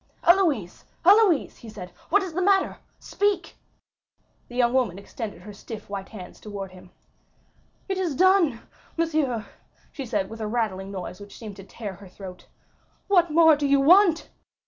"Héloïse, Héloïse!" he said, "what is the matter? Speak!" The young woman extended her stiff white hands towards him. "It is done, monsieur," she said with a rattling noise which seemed to tear her throat. "What more do you want?"